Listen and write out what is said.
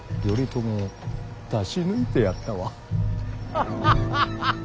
頼朝を出し抜いてやったわ。